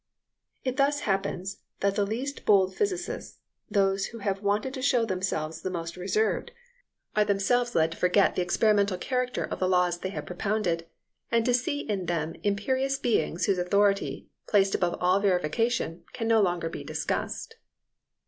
It thus happens that the least bold physicists, those who have wanted to show themselves the most reserved, are themselves led to forget the experimental character of the laws they have propounded, and to see in them imperious beings whose authority, placed above all verification, can no longer be discussed.